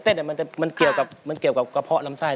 เพลงที่เจ็ดเพลงที่แปดแล้วมันจะบีบหัวใจมากกว่านี้